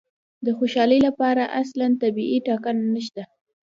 د خوشالي لپاره اصلاً طبیعي ټاکنه نشته.